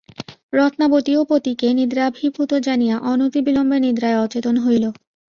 রত্নাবতীও পতিকে নিদ্রাভিভূত জানিয়া অনতিবিলম্বে নিদ্রায় অচেতন হইল।